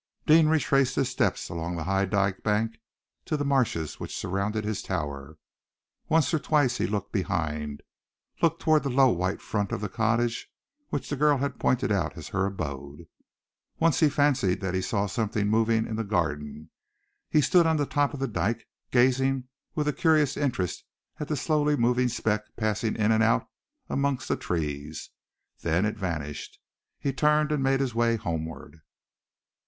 Deane retraced his steps along the high dyke bank to the marshes which surrounded his tower. Once or twice he looked behind, looked toward the low white front of the cottage which the girl had pointed out as her abode. Once he fancied that he saw something moving in the garden, and he stood on the top of the dyke, gazing with a curious interest at the slowly moving speck passing in and out amongst the trees. Then it vanished. He turned and made his way homeward....